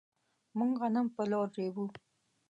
موږ غنم په لور ريبو.